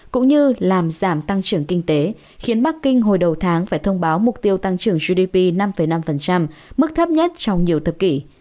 cũng như làm giảm tăng trưởng kinh tế khiến bắc kinh hồi đầu tháng phải thông báo mục tiêu tăng trưởng gdp năm năm mức thấp nhất trong nhiều thập kỷ